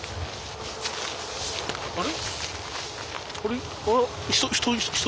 あれ？